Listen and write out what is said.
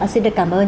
xin được cảm ơn